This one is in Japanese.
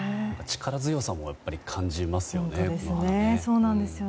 力強さも感じますね。